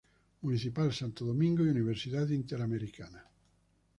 Municipal Santo Domingo y Universidad Interamericana.